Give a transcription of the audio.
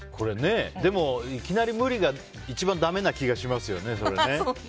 でもいきなり無理っていうのはだめな気がしますね。